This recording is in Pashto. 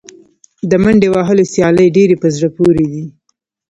د منډې وهلو سیالۍ ډېرې په زړه پورې دي.